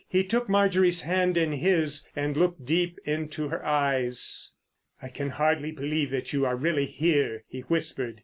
He took Marjorie's hand in his and looked deep into her eyes. "I can hardly believe that you are really here," he whispered.